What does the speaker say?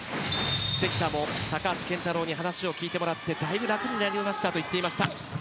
関田も高橋健太郎に話を聞いてもらってだいぶ楽になりましたと言っていました。